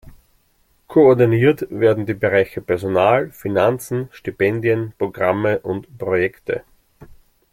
Koordiniert werden die Bereiche Personal, Finanzen, Stipendien, Programme und Projekte.